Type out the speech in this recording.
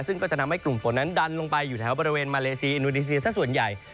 ซึ่งก็จะทำให้กลุ่มฝนนั้นดันลงไปอยู่แถวบริเวณมาเลเซียอินโดนีเซียสักส่วนใหญ่